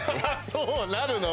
そうなるの？